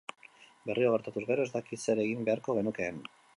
Berriro gertatuz gero, ez dakit zer egin beharko genukeen.